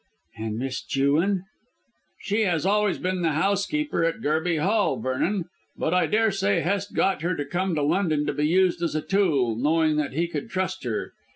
"And Miss Jewin?" "She has always been the housekeeper at Gerby Hall, Vernon. But I daresay Hest got her to come to London to be used as a tool, knowing that he could trust her.